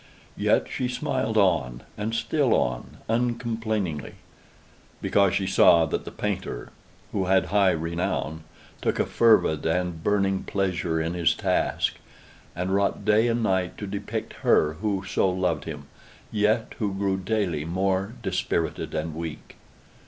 Yet she smiled on and still on, uncomplainingly, because she saw that the painter (who had high renown) took a fervid and burning pleasure in his task, and wrought day and night to depict her who so loved him, yet who grew daily more dispirited and weak.